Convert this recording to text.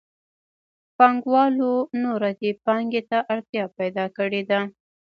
پانګوالو نوره دې پانګې ته اړتیا پیدا کړې ده